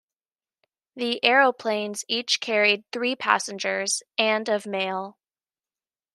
The aeroplanes each carried three passengers, and of mail.